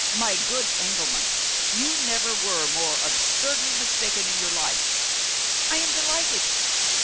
"My good Engelman, you never were more absurdly mistaken in your life! I am delighted.